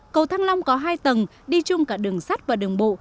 cầu thăng long có hai tầng đi chung cả đường sắt và đường bộ